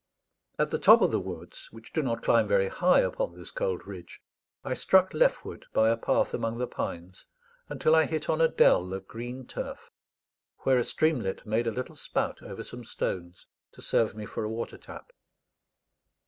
At the top of the woods, which do not climb very high upon this cold ridge, I struck leftward by a path among the pines, until I hit on a dell of green turf, where a streamlet made a little spout over some stones to serve me for a water tap.